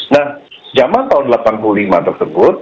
nah zaman tahun delapan puluh lima tersebut